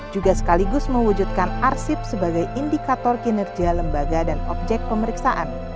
juga sekaligus mewujudkan arsip sebagai indikator kinerja lembaga dan objek pemeriksaan